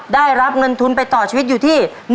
ได้รับเงินทุนไปต่อชีวิตอยู่ที่